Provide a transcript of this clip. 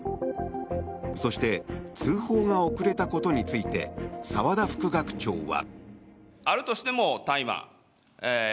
そして通報が遅れたことについて澤田副学長は。